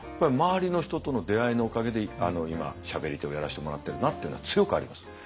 周りの人との出会いのおかげで今しゃべり手をやらしてもらってるなっていうのは強くあります。